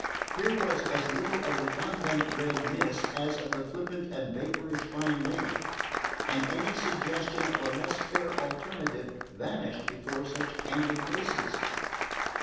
Here was as little of the convent bred miss as of the flippant and vapourish fine lady; and any suggestion of a less fair alternative vanished before such candid graces.